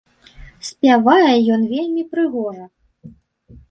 Спявае ён вельмі прыгожа.